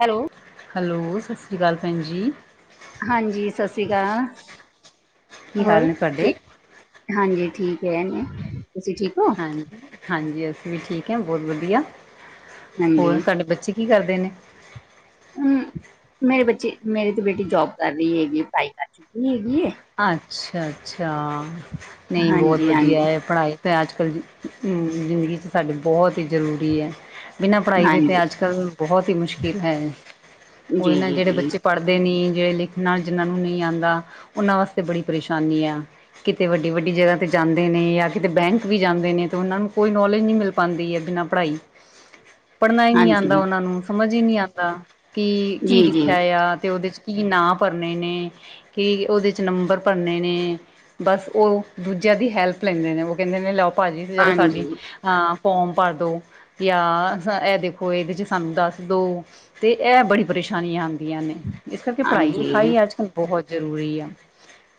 Hello. Hello, ਸਤਿ ਸ਼੍ਰੀ ਅਕਾਲ ਭੈਣ ਜੀ। ਹਾਂਜੀ, ਸਤਿ ਸ੍ਰੀ ਅਕਾਲ ਕੀ ਹਾਲ ਹੋਰ ਨੇ ਤੁਹਾਡੇ? ਕੀ। ਹਾਂਜੀ, ਠੀਕ ਹੈ ਨੇ ਤੁਸੀਂ ਠੀਕ ਹੋ? ਹਾਂਜੀ, ਹਾਂਜੀ ਅਸੀਂ ਵੀ ਠੀਕ ਹਾਂ ਬਹੁਤ ਵਧੀਆ ਹਾਂਜੀ ਹੋਰ ਸਾਡੇ ਬੱਚੇ। ਕੀ ਕਰਦੇ ਨੇ ਹਮ ਮੇਰੇ ਬੱਚੇ ਮੇਰੀ ਤੇ ਬੇਟੀ ਜੋਬ ਕਰ ਰਹੀ ਹੈਗੀ ਹੈ ਪੜ੍ਹਾਈ ਕਰ ਚੁੱਕੀ ਹੈਗੀ। ਅੱਛਾ, ਅੱਛਾ ਨਹੀਂ ਬਹੁਤ ਹਾਂਜੀ ਵਧੀਆ ਹਾਂਜੀ ਹੈ ਪੜ੍ਹਾਈ ਅਤੇ ਅੱਜ ਕੱਲ੍ਹ ਜ਼ਿੰਦਗੀ 'ਚ ਸਾਡੇ ਬਹੁਤ ਹੀ ਜ਼ਰੂਰੀ ਹੈ। ਬਿਨਾਂ ਪੜ੍ਹਾਈ ਦੇ ਹਾਂਜੀ ਤਾਂ ਅੱਜ ਕੱਲ੍ਹ ਬਹੁਤ ਹੀ ਮੁਸ਼ਕਿਲ ਹੈ। ਉਹ ਇਹ ਜੀ ਨਾ ਜੀ ਜਿਹੜੇ ਜੀ ਬੱਚੇ ਪੜ੍ਹਦੇ ਨਹੀਂ ਜਿਹੜੇ ਲਿਖਣ ਨਾਲ ਜਿਹਨਾਂ ਨੂੰ ਨਹੀਂ ਆਉਂਦਾ ਉਹਨਾਂ ਵਾਸਤੇ ਬੜੀ ਪਰੇਸ਼ਾਨੀ ਆ। ਕਿਤੇ ਵੱਡੀ, ਵੱਡੀ ਜਗ੍ਹਾ 'ਤੇ ਜਾਂਦੇ ਨੇ ਜਾਂ ਕਿਤੇ ਬੈਂਕ ਵੀ ਜਾਂਦੇ ਨੇ ਤਾਂ ਉਹਨਾਂ ਨੂੰ ਕੋਈ ਨੌਲੇਜ ਨਹੀਂ ਮਿਲ ਪਾਦੀ ਹੈ ਬਿਨਾਂ ਪੜ੍ਹਾਈ ਪੜ੍ਹਨਾ ਹੀ ਨਹੀ ਆਉਂਦਾ ਹਾਂਜੀ ਉਹ ਨੂੰ ਸਮਝ ਹੀ ਨਹੀਂ ਆਉਂਦਾ ਕਿ ਕੀ ਜੀ ਜੀ ਲਿਖਿਆ ਆ ਤੇ ਉਹਦੇ ਚ ਕੀ ਨਾਂ ਭਰਨੇ ਨੇ ਕੀ ਉਹਦੇ ' ਨੰਬਰ ਭਰਨੇ ਨੇ ਬਸ ਉਹ ਦੂਜਿਆਂ ਦੀ ਹੈਲਪ ਲੈਂਦੇ ਨੇ ਉਹ ਕਹਿੰਦੇ ਨੇ ਲ ਭਾਜੀ ਜਿਹੜਾ ਹਾਂਜੀ ਸਾਡੀ ਹਾਂ ਫੋਮ ਭਰ ਦੋ ਜਾਂ ਇਹ ਦੇਖੋ ਇਹਦੇ ਚ ਸਾਨੂੰ ਦੱਸ ਦੋ ਤੇ ਇਹ ਬੜੀ ਪਰੇਸ਼ਾਨੀਆਂ ਆਂਦੀਆਂ। ਨੇ ਇਸ ਕਰਕੇ ਪੜ੍ਹਾਈ ਹਾਂਜੀ ਲਿਖਾਈ ਅੱਜ ਕੱਲ ਬਹੁਤ ਜ਼ਰੂਰੀ ਆ।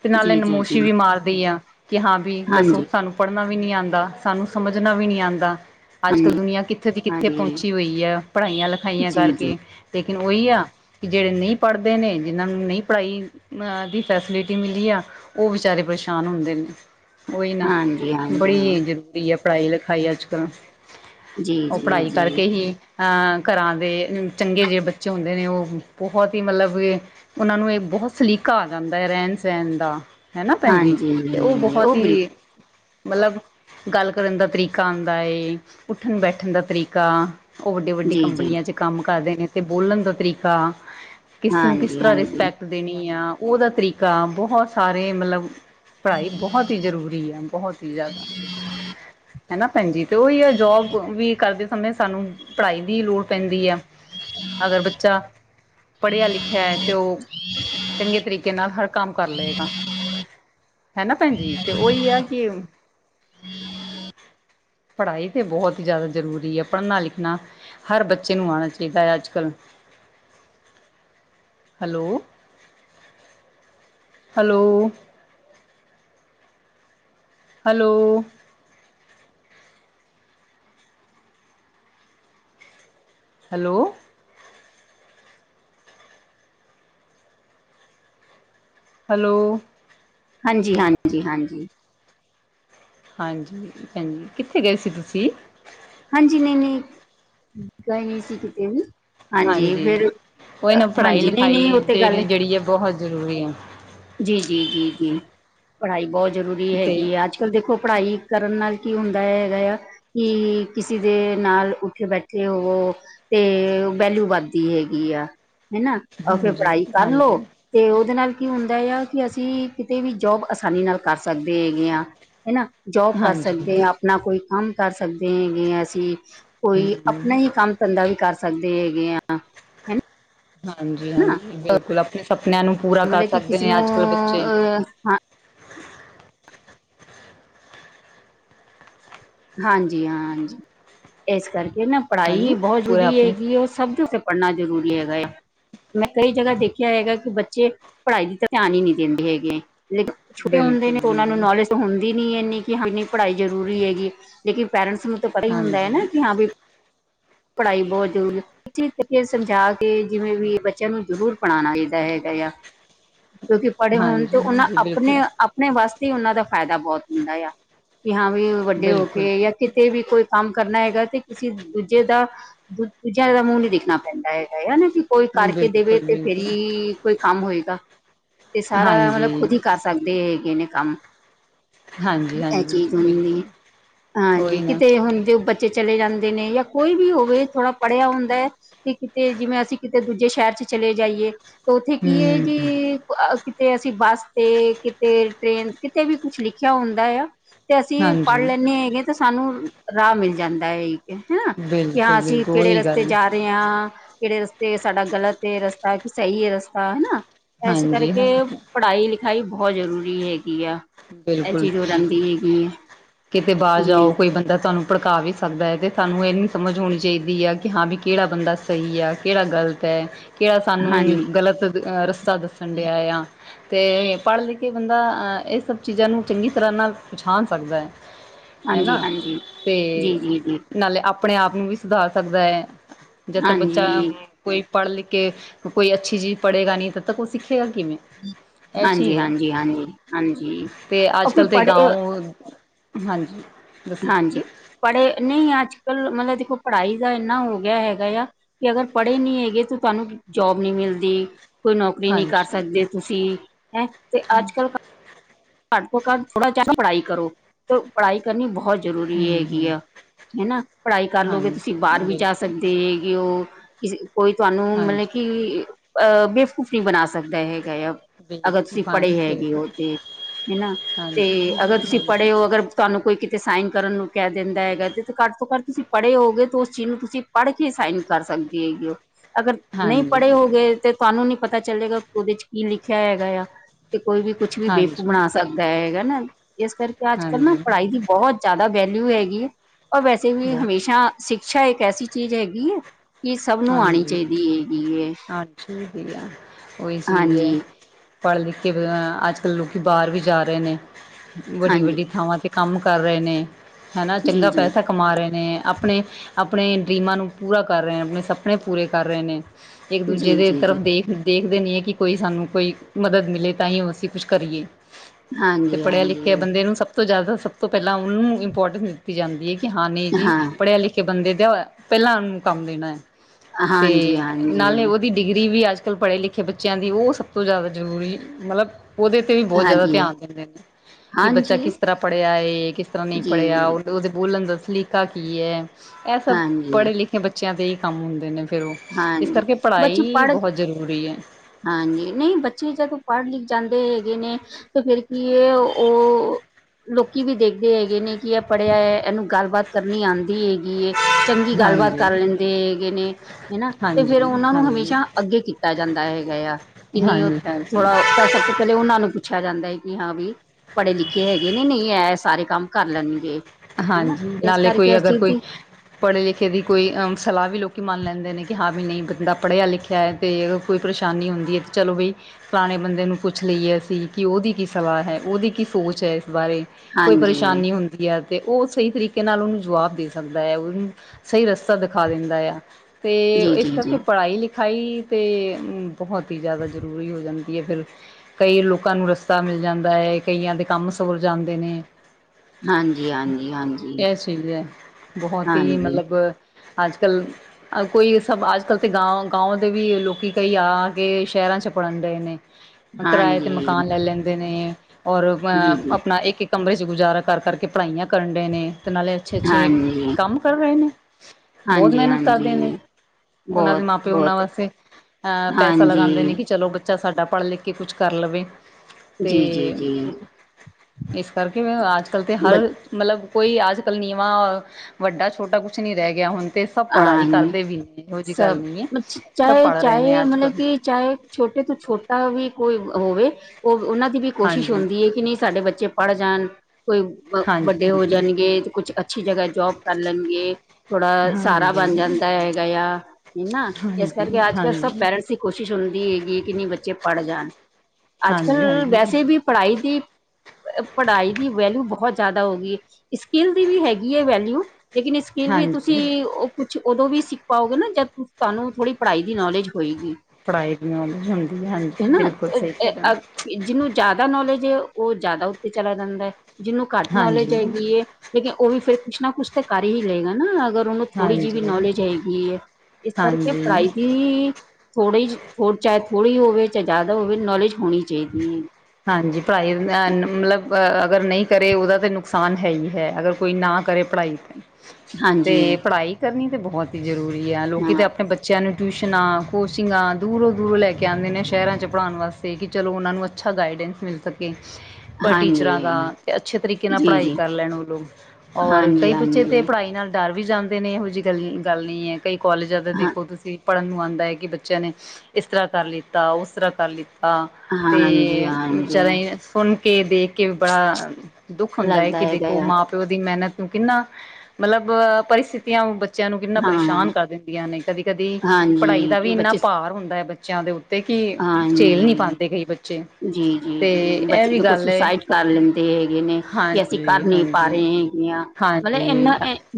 ਤੇ ਨਾਲੇ ਜੀ ਜੀ ਜੀ ਨਮੋਸ਼ੀ ਵੀ ਮਾਰਦੀ ਆ ਕਿ ਹਾਂ ਵੀ ਦੱਸੋ ਹਾਂਜੀ ਸਾਨੂੰ ਪੜ੍ਹਨਾ ਵੀ ਨੀ ਆਉਂਦਾ ਸਾਨੂੰ ਸਮਝਣਾ ਵੀ ਨਹੀਂ ਆਉਂਦਾ। ਅੱਜ ਕੱਲ੍ਹ ਹਾਂਜੀ ਦੁਨੀਆਂ ਕਿੱਥੇ ਦੀ ਕਿੱਥੇ ਹਾਂਜੀ ਪਹੁੰਚੀ ਹੋਈ ਹੈ ਪੜ੍ਹਾਈਆਂ ਲਿਖਾਈਆਂ ਜੀ ਜੀ ਕਰਕੇ ਲੇਕਿਨ ਉਹੀ ਆ ਕਿ ਜਿਹੜੇ ਨਹੀਂ ਪੜ੍ਹਦੇ ਨੇ ਜਿਹਨਾਂ ਨੂੰ ਨਹੀਂ ਪੜ੍ਹਾਈ ਅ ਦੀ ਫੈਸਲਿਟੀ ਮਿਲੀ ਜਾ ਉਹ ਵਿਚਾਰੇ ਪਰੇਸ਼ਾਨ ਹੁੰਦੇ ਨੇ ਉਹੀ ਨਾ ਹਾਂਜੀ ਹਾਂਜੀ ਬੜੀ ਜ਼ਰੂਰੀ ਹੈ ਪੜ੍ਹਾਈ ਲਿਖਾਈ ਅੱਜ ਕੱਲ ਜੀ ਉਹ ਜੀ ਪੜ੍ਹਾਈ ਜੀ ਕਰਕੇ ਹੀ ਹਾ ਘਰਾਂ ਦੇ ਚੰਗੇ ਜਿ ਬੱਚੇ ਹੁੰਦੇ ਨੇ ਉਹ ਬਹੁਤ ਹੀ ਮਤਲਬ ਉਹਨਾਂ ਨੂੰ ਇਹ ਬਹੁਤ ਸਲੀਕਾ ਆ ਜਾਂਦਾ ਹੈ ਰਹਿਣ ਸਹਿਣ ਦਾ। ਹਨਾ ਭੈਣ ਜੀ ਤੇ ਉਹ ਹਾਂਜੀ ਬਹੁਤ ਹੀ ਬਿਲਕੁਲ ਮਤਲਬ ਗੱਲ ਕਰਨ ਦਾ ਤਰੀਕਾ ਆਉਂਦਾ ਉੱਠਣ ਬੈਠਣ ਦਾ ਤਰੀਕਾ ਉਹ ਵੱਡੇ ਵੱਡੀ ਜੀ ਜੀ ਕੰਪਨੀਆਂ ਚ ਕੰਮ ਕਰਦੇ ਨੇ ਤੇ ਬੋਲਣ ਦਾ ਤਰੀਕਾ ਕਿਸਨ ਕਿਸ ਹਾਂਜੀ ਤਰ੍ਹਾਂ ਹਾਂਜੀ ਰਿਸਪੈਕਟ ਦੇਣੀ ਆ ਉਹਦਾ ਤਰੀਕਾ ਬਹੁਤ ਸਾਰੇ ਮਤਲਬ ਪੜ੍ਹਾਈ ਬਹੁਤ ਹੀ ਜ਼ਰੂਰੀ ਆ ਬਹੁਤ ਹੀ ਜ਼ਿਆਦਾ ਹਨਾ ਭੈਣਜੀ ਅਤੇ ਉਹੀ ਆ ਜੋਬ ਵੀ ਕਰਦੇ ਸਮੇਂ ਸਾਨੂੰ ਪੜ੍ਹਾਈ ਦੀ ਲੋੜ ਪੈਂਦੀ ਆ ਅਗਰ ਬੱਚਾ ਪੜ੍ਹਿਆ ਲਿਖਿਆ ਹੈ ਤੇ ਉਹ ਚੰਗੇ ਤਰੀਕੇ ਨਾਲ ਹਰ ਕੰਮ ਕਰ ਲਏਗਾ ਹੈ ਨਾ ਭੈਣ ਜੀ ਤੇ ਉਹੀ ਆ ਕਿ ਪੜ੍ਹਾਈ ਤਾਂ ਬਹੁਤ ਹੀ ਜ਼ਿਆਦਾ ਜ਼ਰੂਰੀ ਹੈ ਪੜ੍ਹਨਾ ਲਿਖਣਾ ਹਰ ਬੱਚੇ ਨੂੰ ਆਉਣਾ ਚਾਹੀਦਾ ਹੈ ਅੱਜ ਕੱਲ hello hello hello hello hello ਹਾਂਜੀ ਹਾਂਜੀ ਹਾਂਜੀ ਹਾਂਜੀ ਹਾਂਜੀ ਕਿੱਥੇ ਗਏ ਸੀ ਤੁਸੀਂ ਹਾਂਜੀ ਨਹੀਂ-ਨਹੀਂ, ਗਏ ਨਈ ਸੀ ਕਿਤੇ ਵੀ। ਹਾਂਜੀ ਫਿਰ, ਉਹੀ ਨਾ ਪੜ੍ਹਾਈ ਹਾਂਜੀ ਨਈ-ਨਈ, ਲਿਖਾਈ ਔਹ ਤੇ ਗੱਲ ਜਿਹੜੀ ਹੈ ਬਹੁਤ ਜ਼ਰੂਰੀ ਹੈ ਜੀ-ਜੀ-ਜੀ-ਜੀ ਪੜ੍ਹਾਈ ਬੌਤ ਜ਼ਰੂਰੀ ਤੇ ਹੈਗੀ ਆ ਅੱਜ ਅੱਜ ਕੱਲ ਦੇਖੋ ਪੜ੍ਹਾਈ ਕਰਨ ਨਾਲ ਕੀ ਹੁੰਦਾ ਹੈਗਾ ਆ, ਕਿ ਕਿਸੇ ਦੇ ਨਾਲ ਉੱਠੇ ਬੈਠੇ ਹੋਵੋ, ਤੇ ਵੈਲੂ ਵੱਧਦੀ ਹੈਗੀ ਆ। ਹਨਾ ਅ ਫਿਰ ਹਾਂਜੀ, ਪੜ੍ਹਾਈ ਹਾਂਜੀ, ਕਰਲੋ ਤੇ ਉਹਦੇ ਨਾਲ ਕੀ ਹੁੰਦਾ ਆ ਕਿ ਅਸੀਂ ਕਿਤੇ ਵੀ ਜੋਬ ਆਸਾਨੀ ਨਾਲ ਕਰ ਸਕਦੇ ਹੈਗੇ ਹ ਹਨਾ ਜੋਬ ਕਰ ਹਾਂਜੀ। ਸਕਦੇ ਆ, ਆਪਣਾ ਕੋਈ ਕੰਮ ਕਰ ਸਕਦੇ ਹੈਗੇ ਆ ਅਸੀਂ, ਕੋਈ ਹੂੰ, ਨਈ ਕੰਮ ਧੰਦਾ ਵੀ ਕਰ ਸਕਦੇ ਹੈਗੇ ਆ। ਹਨਾ ਹਾਂਜੀ-ਹਾਂਜੀ ਬਿਲਕੁਲ, ਆਪਣੇ ਸਪਨਿਆਂ ਨੂੰ ਪੂਰਾ ਕਰ ਮਤਲਬ ਕਿ ਸਕਦੇ ਕਿਸੇ ਨੇ ਨੂੰ ਅੱਜ ਕੱਲ ਬੱਚੇ। ਅਹ ਹਾਂ। ਹਾਂਜੀ-ਹਾਂਜੀ ਇਸ ਕਰਕੇ ਨਾ ਪੜ੍ਹਾਈ ਹਾਂਜੀ, ਬੌਹਤ ਪੂਰਾ ਜ਼ਰੂਰੀ ਆਪਣੇ ਹੈਗੀ ਏ, ਉਹ ਸਭ ਪੜ੍ਹਨਾ ਜ਼ਰੂਰੀ ਹੈਗਾ ਐ। ਮੈਂ ਕਈ ਜਗ੍ਹਾ ਦੇਖਿਆ ਹੈਗਾ ਕਿ ਬੱਚੇ, ਪੜ੍ਹਾਈ ਦੀ ਤਾਂ ਧਿਆਨ ਈ ਨਈ ਦੇਂਦੇ ਹੈਗੇ ਏ, ਲੇਕਿ ਛੋਟੇ ਹੁੰਦੇ ਬਿਲਕੁਲ, ਨੇ, ਉਅਨਾਂ ਨੂੰ ਬਿਲਕੁਲ ਨੌਲੇਜ ਹੁੰਦੀ ਨੀ ਇੰਨੀ, ਕਿ ਹਾਂ ਇੰਨੀ ਪੜ੍ਹਾਈ ਜ਼ਰੂਰੀ ਹੈਗੀ ਏ, ਲੇਕਿਨ ਪੇਰੈਂਟਸ ਨੂੰ ਤੇ ਪਤਾ ਈ ਹੁੰਦਾ ਏ ਹਾਂਜੀ। ਨਾ, ਕਿ ਹਾਂ ਵੀ ਪੜ੍ਹਾਈ ਬੌਤ ਜ਼ਰੂਰੀ ਕਿਸੇ ਤਕੇ ਸਮਝਾ ਕੇ, ਜਿਵੇਂ ਵੀ ਬੱਚਿਆਂ ਨੂੰ ਜ਼ਰੂਰ ਪੜ੍ਹਾਉਣਾ ਹੇਦਾ ਹੈਗਾ ਆ। ਕਿਉਂਕਿ ਪੜ੍ਹੇ ਹੋਣ ਤੇ ਹਾਂਜੀ, ਔਨਾਂ ਹਾਂਜੀ ਆਪਣੇ ਬਿਲਕੁਲ, ਅਪ ਆਪਣੇ ਵਾਸਤੇ ਈ ਉਹਨਾਂ ਦਾ ਫਾਇਦਾ ਬਹੋਤ ਹੁੰਦਾ ਆ। ਕਿ ਹਾਂ ਵੀ ਵੱਡੇ ਹੋ ਬਿਲਕੁਲ। ਕੇ, ਯਾ ਕਿਤੇ ਵੀ ਕੋਈ ਕੰਮ ਕਰਨਾ ਹੈਗਾ, ਤੇ ਕਿਸੇ ਦੂਜੇ ਦਾ ਦ ਦੂਜਿਆਂ ਦਾ ਮੂੰਹ ਨੀ ਦੇਖਣਾ ਪੈਂਦਾ ਹੈਗਾ, ਹਨਾ ਜੀ? ਕੋਈ ਕਰਕੇ ਦੇਵੇ ਬਿਲਕੁਲ, ਤੇ ਫੇਰ ਬਿਲਕੁਲ ਈ ਕੋਈ ਕੰਮ ਹੋਏਦਾ, ਤੇ ਸਾਰਾ ਹਾਂਜੀ, ਮਤਲਬ ਖੁਦ ਈ ਕਰ ਸਕਦੇ ਹੈਗੇ ਨੇ ਕੰਮ। ਹਾਂਜੀ, ਇਹ ਹਾਂਜੀ ਚੀਜ਼ ਹੁੰਦੀ, ਬਿਲਕੁਲ। ਹਾਂਜੀ ਉਹੀ ਨਾ ਕਿਤੇ ਹੁੰਣਦੇ ਉਹ ਬ ਚੇ ਚਲੇ ਜਾਂਦੇ ਨੇ ਯਾ ਕੋਈ ਵੀ ਹੋਵੇ, ਥੋੜਾ ਪੜ੍ਹਿਆ ਹੁੰਦਾ ਏ, ਕਿ ਕਿਤੇ ਜਿਵੇਂ ਅਸੀਂ ਕਿਤੇ ਦੂਜੇ ਸ਼ਹਿਰ ਚ ਚਲੇ ਜਾਈਏ ਉੱਥੇ ਕੀ ਏ ਜੀ ਹੂੰ, ਅਹ ਕਿਤੇ ਅਸੀਂ ਬੱਸ ਤੇ, ਕਿਤੇ ਟ੍ਰੇਨ, ਕਿਤੇ ਵੀ ਕੁਛ ਲਿਖਿਆ ਹੁੰਦਾ ਆ ਤੇ ਅਸੀਂ ਪੜ੍ਹ ਹਾਂਜੀ। ਲੈਂਣੇ ਹੈਗੇ, ਤੇ ਸਾਨੂੰ ਰਾਹ ਮਿਲ ਜਾਂਦਾ ਇੱਕ, ਹਨਾ? ਕਿ ਬਿਲਕੁਲ, ਹਾਂ ਅਸੀਂ ਬਿਲਕੁਲ ਕੇੜੇ ਉਹੀ ਰਸਤੇ ਗੱਲ ਜਾ ਰਏ ਆ, ਕੇਅੜੇ ਰਸਤੇ ਸਾਡਾ ਗਲਤ ਏ ਰਸਤਾ, ਕਿ ਸਈ ਏ ਰਸਤਾ, ਹਨਾ? ਇਸ ਹਾਂਜੀ, ਹਾਂ ਕਰਕੇ ਪੜ੍ਹਾਈ ਲਿਖਾਈ ਬੋਹੋ ਜ਼ਰੂਰੀ ਹੈਗੀ ਆ। ਏਹ ਬਿਲਕੁਲ ਚੀਜ਼ [unintelligible] ਦੀ ਹੈਗੀ ਏ। ਕਿਤੇ ਬਾਰ ਜਾਓ, ਕੋਈ ਬੰਦਾ ਤੁਆਨੂੰ ਭੜਕਾ ਵੀ ਸਕਦਾ ਏ, ਤੇ ਸਾਨੂੰ ਏਨੀ ਸਮਝ ਹੋਣੀ ਚਾਹੀਦੀ ਆ ਕਿ ਹਾਂ ਬੀ ਕੇਅੜਾ ਬੰਦਾ ਸਈ ਆ, ਕੇਅੜਾ ਗ਼ਲਤ ਏ? ਕੇ ਏਹ ਸਾਨੂੰ ਹਾਂਜੀ ਗ਼ਲਤ ਰਸਤਾ ਦੱਸਣ ਡਿਆ ਆ। ਤੇ ਪੜ੍ਹ ਲਿਖ ਕੇ ਬੰਦਾ ਅ ਇਹ ਸਭ ਚੀਜ਼ਾਂ ਨੂੰ, ਚੰਗੀ ਤਰ੍ਹਾਂ ਨਾਲ ਪਛਾਣ ਸਕਦਾ ਐ। ਹੈ ਹਾਂਜੀ ਨਾ? ਹਾਂਜੀ ਤੇ ਜੀ ਜੀ ਜੀ ਨਾਲੇ ਆਪਣੇ ਆਪ ਨੂੰ ਵੀ ਸੁਧਾਰ ਸਕਦਾ ਏ, ਜਦ ਤ ਬੱਚਾ ਹਾਂਜੀ ਕੋਈ ਪੜ੍ਹ ਲਿਖ ਕੇ, ਕੋਈ ਅੱਛੀ ਚੀਜ਼ ਪੜ੍ਹੇਗਾ ਨਈ, ਤਦ ਤੱਕ ਉਹ ਸਿੱਖੇਗਾ ਕਿਵੇਂ? ਏਹ ਹਾਂਜੀ ਚੀਜ਼ ਏ, ਹਾਂਜੀ ਹਾਂਜੀ ਹਾਂਜੀ ਤੇ ਅੱਜ ਉਹ ਕੱਲ੍ਹ ਫਿਰ ਤੇ ਪੜ੍ਹੇ ਗਾਓ ਹਾਂਜੀ। ਹਾਂਜੀ, ਪੜ੍ਹੇ ਨਈ ਅੱਜ ਕੱਲ੍ਹ ਮਤਲਬ ਦੇਖੋ ਪੜ੍ਹਾਈ ਦਾ ਇੰਨਾ ਹੋ ਗਿਆ ਹੈਗਾ ਆ ਕਿ ਅਗਰ ਪੜ੍ਹੇ ਨਈ ਹੈਗੇ, ਤਾਂ ਤੁਹਾਨੂੰ ਜੋਬ ਨਈ ਮਿਲਦੀ। ਕੋਈ ਨੌਕਰੀ ਨਈ ਕਰ ਹਾਂਜੀ ਸਕਦੇ ਤੁਸੀਂ, ਹੈਂ ਤੇ ਹੂੰ ਅੱਜ ਕੱਲ ਘੱਟ ਤੋਂ ਘੱਟ ਥੋੜਾ ਚਾਰ ਪੜ੍ਹਾਈ ਕਰੋ, ਤੋਂ ਪੜ੍ਹਾਈ ਕਰਨੀ ਭੌਹੋਤ ਜਰੂਰੀ ਹੈਗੀ ਹੂੰ ਆ, ਹਨਾ? ਪੜ੍ਹਾਈ ਕਰ ਲੋਗੇ, ਤੁਸੀਂ ਹਾਂਜੀ ਬਾਰ ਵੀ ਜਾ ਬਿਲਕੁਲ ਸਕਦੇ ਹੈਗੇ ਔ। ਕਿਸ, ਕੋਈ ਤੁਆਨੂੰ ਮਤਲਬ ਹਾਂਜੀ ਕਿ, ਅਹ ਬੇਵਕੂਫ ਨਈ ਬਣਾ ਸਕਦਾ ਹੈਗਾ ਆ। ਅਗਰ ਬਿਲਕੁਲ ਤੁਸੀਂ ਪੜ੍ਹੇ ਹਾਂਜੀ ਹੈਗੇ ਔ ਬਿਲਕੁਲ ਤੇ, ਹਨਾ, ਤੇ ਅਗਰ ਤੁਸੀਂ ਹਾਂਜੀ ਪੜ੍ਹੇ ਔ ਅਗਰ ਤੁਹਾਨੂੰ ਕੋਈ ਕਿਤੇ ਸਾਈਨ ਕਰਨ ਨੂੰ ਕਹਿ ਦਿੰਦਾ ਹੈਗਾ ਤੇ ਘੱਟ ਤੋਂ ਘੱਟ ਤੁਸੀਂ ਪੜ੍ਹੇ ਹੋਗੇ ਤੇ ਉਸ ਚੀਜ਼ ਨੂੰ ਤੁਸੀਂ ਪੜ੍ਹ ਕੇ ਸਾਈਨ ਕਰ ਸਕਦੀ ਹੈਗੀ ਉਹ ਅਗਰ ਨਹੀਂ ਹਾਂਜੀ ਪੜ੍ਹੇ ਹੋ ਗਏ ਤੇ ਤੁਹਾਨੂੰ ਨੀ ਪਤਾ ਚੱਲੇਗਾ ਉਹਦੇ ਚ' ਕੀ ਲਿਖਿਆ ਹੈਗਾ ਆ। ਤੇ ਕੋਈ ਵੀ ਕੁੱਛ ਵੀ ਬੇ ਹਾਂਜੀ ਸਕਦਾ ਹੈਗਾ ਨਾ। ਇਸ ਕਰਕੇ ਅੱਜ ਕੱਲ੍ਹ ਨਾ ਹਾਂਜੀ ਹਾਂਜੀ ਪੜ੍ਹਾਈ ਦੀ ਬਹੁਤ ਜ਼ਿਆਦਾ ਵੈਲਊ ਹੈਗੀ ਹੈ। ਉਹ ਵੈਸੇ ਵੀ ਬਹੁਤ ਹਮੇਸ਼ਾ ਸਿਕਸ਼ਾ ਇੱਕ ਐਸੀ ਚੀਜ਼ ਹੈਗੀ ਹੈ। ਕਿ ਸਭ ਨੂੰ ਆਉਣੀ ਚਾਹੀਦੀ ਹੈਗੀ ਐ। ਅੱਛ ਵਦੇਆ। ਉਈ ਚੀਜ਼ ਐ। ਹਾਂਜੀ ਪੜ੍ਹ- ਲਿਖ ਕੇ ਅੱਜ ਕੱਲ੍ਹ ਲੋਕ ਬਾਹਰ ਵੀ ਜਾ ਰਹੇ ਨੇ। ਵੱਡੀ ਹਾਂਜੀ -ਵੱਡੀ ਥਾਵਾਂ 'ਤੇ ਕੰਮ ਕਰ ਰਹੇ ਨੇ। ਹੈਨਾ ਜੀ ਚੰਗਾ ਜੀ ਪੈਸਾ ਕਮਾ ਰਹੇ ਨੇ। ਆਪਣੇ -ਆਪਣੇ ਡਰੀਮਾਂ ਨੂੰ ਪੂਰਾ ਕਰ ਰਹੇ ਨੇ ਆਪਣੇ ਸਪਨੇ ਪੂਰੇ ਕਰ ਰਹੇ ਨੇ। ਇੱਕ- ਦੂਜੇ ਜੀ ਦੇ ਜੀ ਤਰਫ ਜੀ ਦੇਖ ਦੇਖਦੇ ਨਹੀਂ ਹੈ ਕਿ ਕੋਈ ਸਾਨੂੰ ਕੋਈ ਮਦਦ ਮਿਲੇ ਤਾਂ ਹੀ ਉਹ ਅਸੀਂ ਕੁਛ ਕਰੀਏ। ਤੇ ਹਾਂਜੀ ਪੜ੍ਹਿਆ- ਲਿਖਿਆ ਹਾਂਜੀ ਬੰਦੇ ਨੂੰ ਸਭ ਸਭ ਤੋਂ ਜ਼ਿਆਦਾ ਸਭ ਤੋਂ ਪਹਿਲਾਂ ਉਹਨੂੰ ਇੰਪੋਰਟੈਂਸ ਦਿੱਤੀ ਜਾਂਦੀ ਹੈ ਕਿ ਹਾਂ ਨਹੀਂ ਜੀ ਹਾਂ ਪੜ੍ਹਿਆ- ਲਿਖਿਆ ਬੰਦੇ ਦਿਆਇਆ ਪਹਿਲਾਂ ਉਹਨੂੰ ਕੰਮ ਦੇਣਾ। ਹੈ ਤੇ ਹਾਂਜੀ ਹਾਂਜੀ ਨਾਲੇ ਉਹਦੀ ਡਿਗਰੀ ਵੀ ਅੱਜ ਕੱਲ੍ਹ ਪੜ੍ਹੇ ਲਿਖੇ ਬੱਚਿਆਂ ਦੀ ਉਹ ਸਭ ਤੋਂ ਜ਼ਿਆਦਾ ਜ਼ਰੂਰੀ ਮਤਲਬ ਉਹਦੇ ਤੇ ਵੀ ਬਹੁਤ ਜ਼ਿਆਦਾ ਹੈਗੀ ਹੈ ਧਿਆਨ ਦਿੰਦੇ ਨੇ। ਕਿ ਬੱਚਾ ਹਾਂਜੀ ਕਿਸ ਤਰ੍ਹਾਂ ਪੜ੍ਹਿਆ ਹੈਏ, ਕਿਸ ਤਰ੍ਹਾਂ ਨਹੀਂ ਜੀ ਪੜ੍ਹਿਆ। ਉਹਦੇ ਬੋਲਣ ਦਾ ਸਲੀ ਕੀਤਾ ਕੀ ਹੈ। ਇਹ ਸਭ ਹਾਂਜੀ ਪੜ੍ਹੇ -ਲਿਖੇ ਬੱਚਿਆਂ ਦੇਤੇ ਹੀ ਕੰਮ ਹੁੰਦੇ ਨੇ ਫਿਰ ਉਹ ਇਸ ਹਾਂਜੀ ਕਰਕੇ ਬੱਚੇ ਪੜ੍ਹਾਈ ਪੜ੍ਹ ਬਹੁਤ ਜ਼ਰੂਰੀ ਹੈ। ਹਾਂਜੀ। ਨਹੀਂ ਬੱਚੇ ਜਦੋਂ ਪੜ੍ਹ- ਲਿਖ ਜਾਂਦੇ ਹੈਗੇ ਨੇ ਤੇ ਫਿਰ ਕੀ ਉਹ ਲੋਕੀ ਵੀ ਦੇਖਦੇ ਹੈਗੇ ਨੇ ਕਿ ਇਹ ਪੜ੍ਹਿਆ ਹੈ ਇਹਨੂੰ ਗੱਲਬਾਤ ਕਰਨੀ ਆਉਂਦੀ ਹੈਗੀ। ਚੰਗੀ ਗੱਲਬਾਤ ਹਾਂਜੀ ਕਰ ਲੈਂਦੇ ਹੈਗੇ ਨੇ। ਤੇ ਹਾਂਜੀ ਫੇਰ ਉਹਨਾਂ ਨੂੰ ਹਾਂਜੀ ਹਮੇਸ਼ਾ ਅੱਗੇ ਕੀਤਾ ਜਾਂਦਾ ਹੈਗਾ ਆ। ਕਿ ਨਹੀਂ ਹਾਂਜੀ ਹਾਂਜੀ ਥੋੜਾ ਪੈ ਸਭ ਤੋਂ ਉਹਨਾਂ ਨੂੰ ਪੁੱਛਿਆ ਜਾਂਦਾ ਹੈ ਕਿ ਹਾਂ ਵੀ, ਪੜ੍ਹੇ -ਲਿਖੇ ਹੈਗੇ ਨੇ ਨਹੀਂ ਇਹ ਸਾਰੇ ਕੰਮ ਕਰ ਲੈਣਗੇੇ। ਹਾਂਜੀ। ਨਾਲੇ ਕੋਈ ਅਗਰ ਕੋਈ ਪੜ੍ਹੇ- ਲਿਖੇ ਦੀ ਕੋਈ ਸਲਾਹ ਵੀ ਲੋਕ ਮੰਨ ਲੈਂਦੇ ਨੇ ਕਿ ਹਾਂ ਵੀ ਨਹੀਂ ਬੰਦਾ ਪੜ੍ਹਿਆ ਲਿਖਿਆ ਹੈ। ਅਤੇ ਕੋਈ ਪਰੇਸ਼ਾਨੀ ਹੁੰਦੀ ਹੈ ਅਤੇ ਚਲੋ ਬਈ ਪੁਰਾਣੇ ਬੰਦੇ ਨੂੰ ਪੁੱਛ ਲਈਏ ਅਸੀਂ ਕਿ ਉਹਦੀ ਕੀ ਸਲਾਹ ਹੈ, ਉਹਦੀ ਕੀ ਸੋਚ ਹੈ ਇਸ ਬਾਰੇ। ਕੋਈ ਹਾਂਜੀ ਪਰੇਸ਼ਾਨੀ ਹੁੰਦੀ ਹੈ। ਤੇ ਉਹ ਸਹੀ ਤਰੀਕੇ ਨਾਲ ਉਹਨੂੰ ਜਵਾਬ ਦੇ ਸਕਦਾ ਹੈ ਉਹਨੂੰ ਸਹੀ ਰਸਤਾ ਦਿਖਾ ਦਿੰਦਾ ਆ। ਅਤੇ ਜੀ ਇਸ ਜੀ ਕਰਕੇ ਜੀ ਪੜ੍ਹਾਈ ਲਿਖਾਈ ਤਾਂ ਬਹੁਤ ਹੀ ਜ਼ਿਆਦਾ ਜ਼ਰੂਰੀ ਹੋ ਜਾਂਦੀ। ਫਿਰ ਕਈ ਲੋਕਾਂ ਨੂੰ ਰਸਤਾ ਮਿਲ ਜਾਂਦਾ ਹੈ ਕਈਆਂ ਦੇ ਕੰਮ ਸਵੁਰ ਜਾਂਦੇ ਨੇ। ਹਾਂਜੀ। ਹਾਂਜੀ ਹਾਂਜੀ ਇਹ ਚੀਜ਼ ਹੈ। ਬਹੁਤ ਹੀ ਹਾਂਜੀ ਮਤਲਬ ਅੱਜ ਕੱਲ੍ਹ ਕੋਈ ਸਭ ਅੱਜ ਕੱਲ੍ਹ ਤੇ ਗਾ ਗਾਵ ਦੇ ਵੀ ਲੋਕੀ ਕਈ ਆ ਕੇ ਸ਼ਹਿਰਾਂ ਚ' ਪੜਨ ਲਏ ਨੇ। ਕਿਰਾਏ ਤੇ ਹਾਂਜੀ ਮਕਾਨ ਲੈ ਲੈਂਦੇ ਨੇ, ਔਰ ਜੀ ਅਹ ਜੀ ਆਪਣਾ ਇੱਕ- ਇੱਕ ਕਮਰੇ ਚ' ਗੁਜ਼ਾਰਾ ਕਰ ਕਰਕੇ ਪੜ੍ਹਾਈਆਂ ਕਰਨ ਡਏ ਨੇ। ਨਾਲੇ ਅੱਛੇ- ਅੱਛੇ ਹਾਂਜੀ ਕੰਮ ਕਰ ਰਹੇ ਨੇ। ਬਹੁਤ ਹਾਂਜੀ ਮਿਹਨਤ ਕਰਦੇ ਨੇ। ਹਾਂਜੀ ਉਹਨਾਂ ਦੇ ਬਹੁਤ ਮਾਂ- ਪਿਓ ਉਹਨਾਂ ਬਹੁਤ ਵਾਸਤੇ, ਅਹ ਪੈਸਾ ਲਗਾਉਂਦੇ ਨੇ ਹਾਂਜੀ ਕਿ ਚਲੋ ਬੱਚਾ ਸਾਡਾ ਪੜ੍ਹ- ਲਿਖ ਕੇ ਕੁਛ ਕਰ ਲਵੇ। ਅਤੇ ਜੀ ਜੀ ਜੀ ਇਸ ਕਰਕੇ ਅੱਜ ਕੱਲ੍ਹ ਤਾਂ ਬ ਹਰ ਮਤਲਬ ਕੋਈ ਅੱਜ ਕੱਲ੍ਹ ਨੀਵਾਂ, ਵੱਡਾ- ਛੋਟਾ ਕੁਛ ਨਹੀਂ ਰਹਿ ਗਿਆ ਹੁਣ। ਤੇ ਸਭ ਪੜ੍ਹਾਈ ਹਾਂ ਕਰਦੇ ਵੀ ਨੇ ਇਹੋ ਜਿਹੀ ਗੱਲ ਸਭ ਨਹੀਂ ਏ, ਸਭ ਚਾਹੇ ਪੜ੍ਹ ਰਹੇ ਨੇ ਚਾਹੇ ਅੱਜ ਮਤਲਬ ਕੱਲ। ਕਿ ਚਾਹੇ ਛੋਟੇ ਤੋਂ ਛੋਟਾ ਵੀ ਕੋਈ ਹੋਵੇ। ਉਹ ਉਹਨਾਂ ਦੀ ਵੀ ਕੋਸ਼ਿਸ਼ ਹਾਂਜੀ ਹੁੰਦੀ ਹੈ ਕਿ ਨਹੀਂ ਸਾਡੇ ਬੱਚੇ ਪੜ੍ਹ ਜਾਣ। ਕੋਈ ਅ ਹਾਂਜੀ ਵੱਡੇ ਹੋ ਹਾਂਜੀ ਜਾਣਗੇ ਤੇ ਕੁਛ ਅੱਛੀ ਜਗ੍ਹਾ ਜੋਬ ਕਰ ਲੈਣਗੇ। ਥੋੜਾ ਸਾਰਾ ਹਾਂਜੀ ਬਣ ਜਾਂਦਾ ਹੈਗਾ ਆ ਹਨਾ। ਇਸ ਕਰਕੇ ਹਾਂਜੀ ਹਾਂਜੀ ਅੱਜ ਕੱਲ੍ਹ ਸਭ ਹਾਂਜੀ ਪੈਰੈਂਟਸ ਕੋਸ਼ਿਸ਼ ਹੁੰਦੀ ਹੈਗੀ ਕਿ ਨਹੀਂ ਬੱਚੇ ਪੜ੍ਹ ਜਾਣ। ਅੱਜ ਕੱਲ੍ਹ ਹਾਂਜੀ ਵੈਸੇ ਵੀ ਪੜ੍ਹਾਈ ਦੀ ਪੜ੍ਹਾਈ ਦੀ ਵੈਲਿਊ ਬਹੁਤ ਜ਼ਿਆਦਾ ਹੋ ਗਈ। ਸਕਿੱਲ ਦੀ, ਵੀ ਹੈਗੀ ਹੈ ਵੈਲਿਊ। ਲੇਕਿਨ ਇਹ ਸਕਿੱਲ ਵੀ ਹਾਂਜੀ ਤੁਸੀਂ। ਉਹ ਕੁਛ, ਉਦੋਂ ਵੀ ਸਿੱਖ ਪਾਓਗੇ ਨਾ। ਜਦ ਤੁਹਾਨੂੰ ਥੋੜੀ ਪੜਾਈ, ਦੀ ਨੌਲੇਜ ਹੋਏਗੀ। ਪੜਾਈ ਵੀ ਨੌਲੇਜ ਹੁੰਦੀ ਹੈ। ਹਾਂਜੀ, ਹਨਾ ਬਿਲਕੁਲ ਸਹੀ ਅ- ਕਰਨ। ਅ- ਜਿਹਨੂੰ ਜ਼ਿਆਦਾ, ਨੌਲੇਜ ਹੈ। ਉਹ ਜ਼ਿਆਦਾ ਉੱਤੇ, ਚਲਾ ਜਾਂਦਾ ਹੈ। ਜਿਹਨੂੰ ਘੱਟ, ਨੌਲੇਜ ਹਾਂਜੀ ਹੈਗੀ ਏ। ਲੇਕਿਨ ਉਹ ਵੀ, ਫੇਰ ਕੁਛ ਨਾ ਕੁਛ ਤੇ, ਕਰ ਹੀ ਲਏਗਾ ਨਾ। ਅਗਰ। ਥੋੜੀ ਜਿਹੀ, ਵੀ ਹਾਂਜੀ ਨੌਲੇਜ ਹੈਗੀ ਏ। ਇਸ ਕਰਕੇ ਹਾਂਜੀ ਪ੍ਰਾਈਜ਼। ਥੋੜੇ ਚਾਹੇ ਥੋੜੀ ਹੋਵੇ। ਚਾਹੇ ਜ਼ਿਆਦਾ ਹੋਵੇ, ਨੌਲੇਜ ਹੋਣੀ ਚਾਹੀਦੀ ਹੈ। ਹਾਂਜੀ, ਪੜਾਈ ਦਾ ਮਤਲਬ, ਅਗਰ ਨਹੀਂ ਕਰੇ, ਉਹਦਾ ਤਾਂ ਨੁਕਸਾਨ ਹੈ ਹੀ ਹੈ। ਅਗਰ ਕੋਈ ਨਾ ਕਰੇ। ਪੜਾਈ ਤੇ ਹਾਂਜੀ ਪੜਾਈ ਕਰਨੀ, ਤਾਂ ਬਹੁਤ ਹੀ, ਜ਼ਰੂਰੀ ਆ। ਲੋਕੀ ਹਾਂ ਤੇ ਆਪਣੇ ਬੱਚੇ। ਬੱਚਿਆਂ ਨੂੰ ਟਿਊਸ਼ਨਾਂ, ਕੋਚਿੰਗਾਂ, ਦੂਰੋਂ- ਦੂਰੋਂ ਲੈ ਕੇ, ਆਉਂਦੇ ਨੇ। ਸ਼ਹਿਰਾਂ ਚ ਪੜਾਉਣ, ਵਾਸਤੇ ਕਿ ਚਲੋ ਉਹਨਾਂ ਨੂੰ। ਅ ਅੱਛਾ, ਗਾਈਡੈਂਸ ਮਿਲ ਸਕੇ, ਟੀਚਰਾਂ ਦਾ ਹਾਂਜੀ ਅਤੇ ਅੱਛੇ ਤਰੀਕੇ ਨਾਲ, ਜੀ ਪੜ੍ਹਾਈ ਜੀ ਕਰ ਲੈਣ ਉਹ ਲੋਕ। ਔਰ, ਹਾਂਜੀ ਕਈ ਬੱਚੇ ਹਾਂਜੀ ਤੇ, ਪੜਾਈ ਨਾਲ। ਡਰ ਵੀ ਜਾਂਦੇ ਨੇ। ਇਹੋ ਜਿਹੀ ਗੱਲ, ਗੱਲ ਨਹੀਂ ਹੈ। ਕਈ ਕੋਲਜਾ ਦਾ ਹਾਂ ਦੇਖੋ ਤੁਸੀਂ। ਪੜਨ ਨੂੰ, ਆਉਂਦਾ ਹੈ ਕਿ, ਬੱਚਿਆਂ ਨੇ, ਇਸ ਤਰਾਂ ਕਰ ਲਿੱਤਾ। ਉਸ ਤਰਾਂ ਕਰ ਲਿੱਤਾ। ਤੇ ਹਾਂਜੀ ਹਾਂਜੀ ਵਿਚਾਰਾ ਸੁਣ ਕੇ, ਦੇਖ ਕੇ, ਵੀ ਬੜਾ ਦੁੱਖ, ਹੁੰਦਾ ਹੈ ਲੱਗਦਾ ਕਿ, ਹੈਗਾ ਦੇਖੋ ਆ ਮਾਂ। ਉਹਦੀ ਮਿਹਨਤ ਨੂੰ, ਕਿੰਨਾ ਮਤਲਬ ਪਰਿਸਥਿਤੀਆਂ। ਬੱਚਿਆਂ ਨੂੰ ਕਿੰਨਾ, ਪਰੇਸ਼ਾਨ ਹਾਂ ਕਰ ਦਿੰਦੀਆਂ ਨੇ। ਕਦੀ- ਕਦੀ ਪੜਾਈ ਹਾਂਜੀ ਦਾ ਵੀ, ਕਿ ਇੰਨਾ ਬੱਚੇ ਭਾਰ ਹੁੰਦਾ ਹੈ। ਬੱਚਿਆਂ ਦੇ ਉੱਤੇ। ਤੇ ਕੀ ਝੇਲ, ਨਹੀਂ ਹਾਂਜੀ ਪਾਉਂਦੇ। ਕਈ ਬੱਚੇ। ਜੀ, ਜੀ, ਤੇ ਜੀ। ਇਹ ਬੱਚੇ ਵੀ ਦੇਖੋ, ਗੱਲ ਹੈ ਸੁਸਾਈਡ ਕਰ ਲੈਂਦੇ ਹੈਗੇ। ਨੇ, ਵੀ ਅਸੀਂ, ਕਰ ਹਾਂਜੀ ਨਹੀਂ ਪਾ, ਹਾਂਜੀ ਰਹੇ ਹੈਗੇ ਆ। ਹਾਂਜੀ।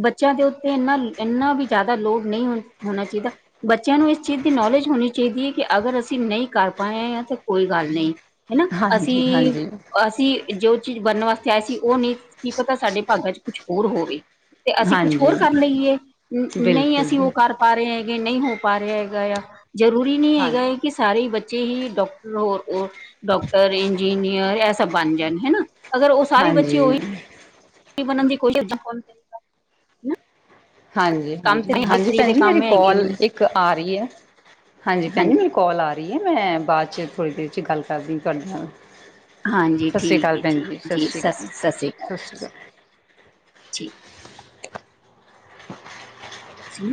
ਬੱਚਿਆਂ ਦੇ ਉੱਤੇ, ਇਨਾ, ਇੰਨਾ ਵੀ ਜ਼ਿਆਦਾ, ਲੋੜ ਨਹੀਂ ਹੋਣਾ ਚਾਹੀਦਾ। ਬੱਚਿਆਂ ਨੂੰ, ਇਸ ਚੀਜ਼ ਦੀ, ਨੌਲੇਜ ਹੋਣੀ ਚਾਹੀਦੀ ਹੈ ਕਿ। ਅਗਰ ਅਸੀਂ, ਨਹੀਂ ਕਰ ਪਾਏ। ਹਾਂ ਤਾਂ ਕੋਈ ਗੱਲ ਨਹੀਂ। ਹਨਾ, ਅਸੀਂ, ਹਾਂਜੀ ਹਾਂਜੀ ਅਸੀਂ। ਜੋ ਚੀਜ਼, ਬਣਨ ਵਾਸਤੇ ਆਏ ਸੀ। ਉਹ ਨਹੀਂ, ਕੀ ਪਤਾ, ਸਾਡੇ ਭਾਗਾਂ ਚ, ਕੁਛ ਹੋਰ ਹੋਵੇ। ਤੇ ਅਸੀਂ ਕੁਛ, ਹੋਰ ਹਾਂਜੀ ਕਰ ਲਈਏ। ਨਹੀਂ ਬਿਲਕੁਲ ਅਸੀਂ ਉਹ ਕਰ। ਪਾ ਰਹੇ ਹੈਗੇ। ਨਹੀਂ ਹੋ ਪਾ ਰਿਹਾ ਹੈਗਾ ਆ। ਜ਼ਰੂਰੀ ਨਹੀਂ ਹਾਂਜੀ ਹੈਗਾ। ਕਿ ਸਾਰੇ, ਬੱਚੇ ਹੀ ਡੋਕਟਰ ਹੋਰ, ਉਹ ਡਾਕਟਰ, ਇੰਜੀਨੀਅਰ, ਇਹ ਸਭ ਬਣ ਜਾਣ। ਹਨਾ, ਅਗਰ ਉਹ ਸਾਰੇ ਬੱਚੇ ਉਹੀ, ਹਾਂਜੀ ਬਨ ਦੀ ਕੋਸ਼ਿਸ਼ ਫ ਹਾਂਜੀ, ਕੰਮ ਹਾਂਜੀ- ਤੇ ਹਰ ਹਾਂਜੀ। ਤਰੀਕੇ ਭੈਣ ਦੇ ਜੀ ਮੇਰੀ ਕੰਮ ਹੈਗੇ ਕੋਲ, ਨੇ ਇੱਕ ਆ ਰਹੀ ਹੈ। ਹਾਂਜੀ ਭੈਣ ਜੀ। ਕੋਲ ਆ ਰਹੀ ਹੈ। ਮੈਂ ਬਾਅਦ ਚ, ਥੋੜੀ ਦੇਰ ਚ, ਗੱਲ ਕਰਦੀ ਤੁਹਾਡੇ ਨਾਲ। ਹਾਂਜੀ ਸਤਿ ਸ਼੍ਰੀ ਠੀਕ ਅਕਾਲ, ਹੈ ਭੈਣ ਜੀ। ਸਤਿ ਸ਼੍ਰੀ ਅਕਾਲ, ਸ੍ਰੀ ਅਕਾਲ। ਸਤਿ ਸ਼੍ਰੀ ਸ੍ਰੀ ਅਕਾਲ। ਅਕਾਲ ਸੀ।